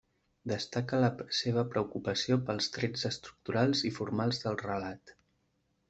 Destaca la seva preocupació pels trets estructurals i formals del relat.